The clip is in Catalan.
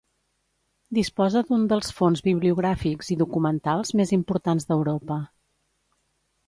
Disposa d'un dels fons bibliogràfics i documentals més importants d'Europa.